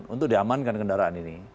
untuk diamankan kendaraan ini